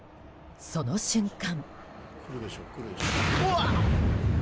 その瞬間。